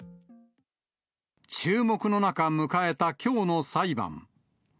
注目の中、迎えたきょうの裁判。